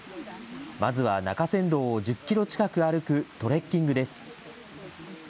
まずは中山道を１０キロ近く歩くトレッキングです。